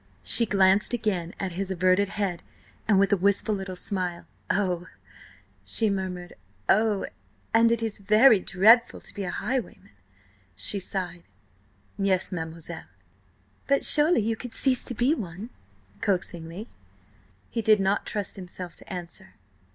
She glanced again at his averted head with a wistful little smile. "Oh!" she murmured. "Oh!"–and̵"It is very dreadful to be a highwayman!" she sighed "Yes, mademoiselle." "But surely you could cease to be one?" coaxingly. He did not trust himself to answer.